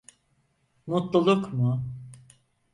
Mutluluk mu?